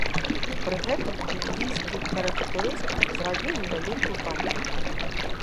Пры гэтым бельгійскі карыкатурыст зрабіў невялікую памылку.